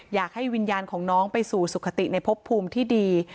อยากให้วิญญาณของน้องไปสู่สุขติในพบภูมิที่ดี